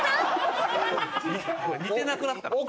似てなくなった。